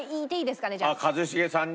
一茂さんに？